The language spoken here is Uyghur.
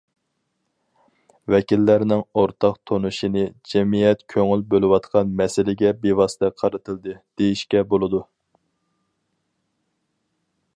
ۋەكىللەرنىڭ ئورتاق تونۇشىنى جەمئىيەت كۆڭۈل بۆلۈۋاتقان مەسىلىگە بىۋاسىتە قارىتىلدى، دېيىشكە بولىدۇ.